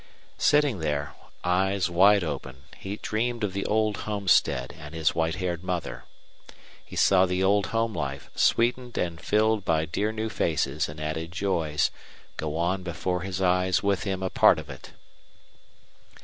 Sitting there, eyes wide open, he dreamed of the old homestead and his white haired mother. He saw the old home life, sweetened and filled by dear new faces and added joys, go on before his eyes with him a part of it.